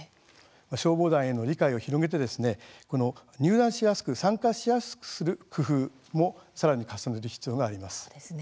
消防団への理解を広げて入団しやすく、参加しやすくする工夫もさらに重ねる必要があります。